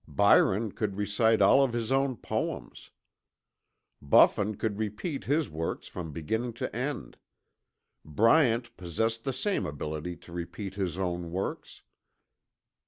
Byron could recite all of his own poems. Buffon could repeat his works from beginning to end. Bryant possessed the same ability to repeat his own works.